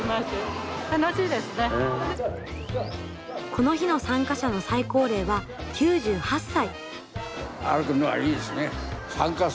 この日の参加者の最高齢は９８歳。